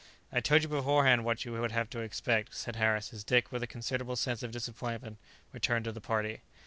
"I told you beforehand what you would have to expect," said Harris, as Dick, with a considerable sense of disappointment, returned to the party.